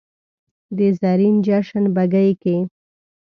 د زرین جشن بګۍ کې